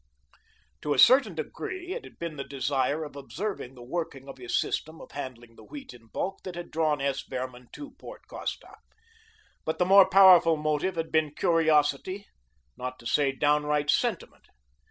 To a certain degree it had been the desire of observing the working of his system of handling the wheat in bulk that had drawn S. Behrman to Port Costa. But the more powerful motive had been curiosity, not to say downright sentiment.